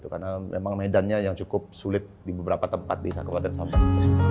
karena memang medannya yang cukup sulit di beberapa tempat di saka wadah dan sampas